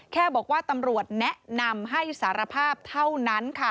แค่บอกว่าตำรวจแนะนำให้สารภาพเท่านั้นค่ะ